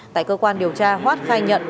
tại cơ quan điều tra hoát khai nhận